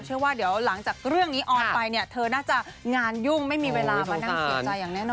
เชื่อว่าเดี๋ยวหลังจากเรื่องนี้ออนไปเนี่ยเธอน่าจะงานยุ่งไม่มีเวลามานั่งเสียใจอย่างแน่นอน